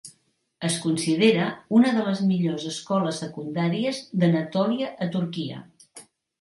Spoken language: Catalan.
Es considera una de les millors escoles secundàries d'Anatòlia a Turquia.